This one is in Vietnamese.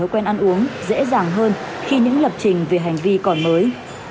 thói quen ăn uống dễ dàng hơn khi những lập trình về hành vi còn mới